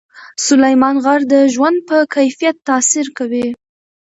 سلیمان غر د ژوند په کیفیت تاثیر کوي.